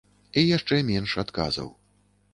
І яшчэ менш адказаў.